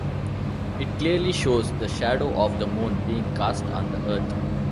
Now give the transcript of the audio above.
It clearly shows the shadow of the Moon being cast on the Earth.